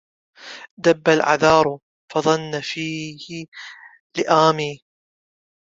دب العذار فظن فيه لائمي